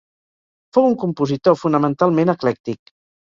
Fou un compositor fonamentalment eclèctic.